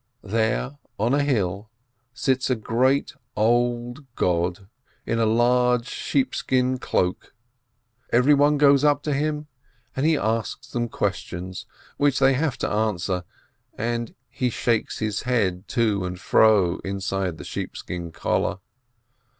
There, on a hill, sits a great, old God in a large sheepskin cloak. Everyone goes up to him, and He asks them questions, which they have to answer, and He shakes His head to and fro inside the sheepskin collar.